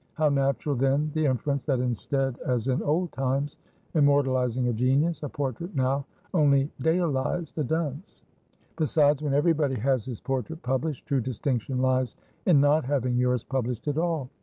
How natural then the inference, that instead, as in old times, immortalizing a genius, a portrait now only dayalized a dunce. Besides, when every body has his portrait published, true distinction lies in not having yours published at all.